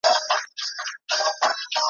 دا مینه به پوره کړم خو دلداربه خبر نسي